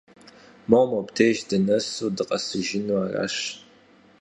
Моуэ мобдеж дынэсу дыкъэсыжыну аращ.